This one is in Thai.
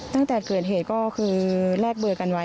ตั้งแต่เกิดเหตุก็คือแลกเบอร์กันไว้